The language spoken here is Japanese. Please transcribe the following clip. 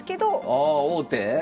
ああ王手？